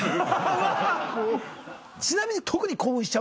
ちなみに。